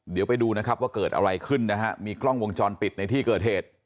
เดี๋ยวไปดูนะครับว่าเกิดอะไรขึ้นนะฮะมีกล้องวงจรปิดในที่เกิดเหตุ